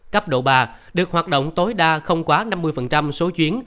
cấp độ ba được hoạt động tối đa không quá năm mươi số chuyến